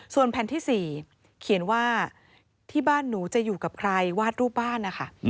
ส่วนแผ่นที่๔เขียนว่าที่บ้านหนูจะอยู่กับใครวาดรูปบ้านนะคะ